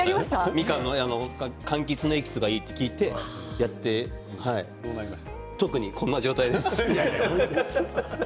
みかんのかんきつのエキスがいいと聞いてやってでも特にこんな状態です。